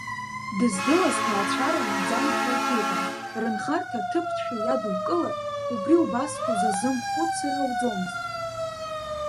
Дыздылаз ҭаацәара наӡан уҳәартә иҟан, рынхарҭа ҭыԥҭшәа иадукылар, убри убас узазымхәыцыр ауӡомызт.